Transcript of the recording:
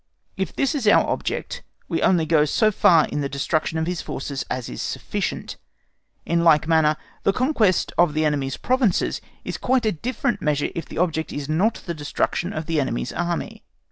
If this is our object, we only go so far in the destruction of his forces as is sufficient. In like manner, the conquest, of the enemy's provinces is quite a different measure if the object is not the destruction of the enemy's Army.